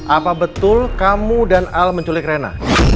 apa betul kamu dan al menculik rena